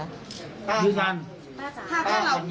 วันนี้ป้าไม่ได้การฟาพิภัยหรือว่ากินปัสสาวะ